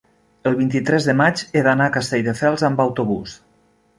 el vint-i-tres de maig he d'anar a Castelldefels amb autobús.